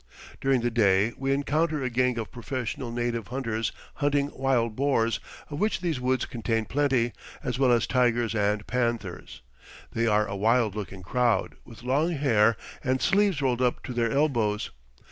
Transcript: During the day we encounter a gang of professional native hunters hunting wild boars, of which these woods contain plenty, as well as tigers and panthers. They are a wild looking crowd, with long hair, and sleeves rolled up to their elbows.